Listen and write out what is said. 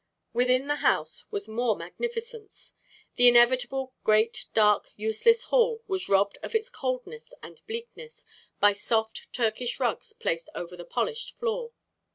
Within the house was more magnificence. The inevitable great, dark, useless hall was robbed of its coldness and bleakness by soft Turkish rugs placed over the polished floor.